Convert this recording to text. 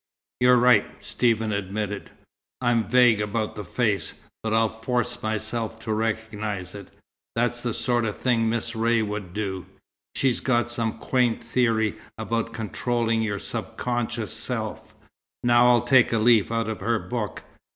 "You're right," Stephen admitted. "I'm vague about the face, but I'll force myself to recognize it. That's the sort of thing Miss Ray would do. She's got some quaint theory about controlling your subconscious self. Now I'll take a leaf out of her book.